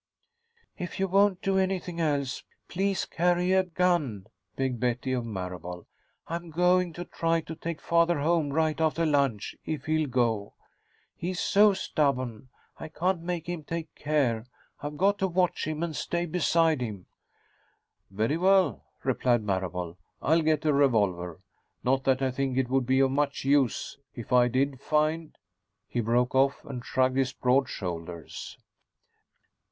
"If you won't do anything else, please carry a gun," begged Betty of Marable. "I'm going to try to take father home, right after lunch, if he'll go. He's so stubborn. I can't make him take care. I've got to watch him and stay beside him." "Very well," replied Marable. "I'll get a revolver. Not that I think it would be of much use, if I did find " He broke off, and shrugged his broad shoulders.